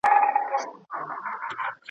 له هر لوري یې کوله صحبتونه ,